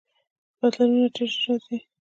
بدلونونه ډیر ژر راځي.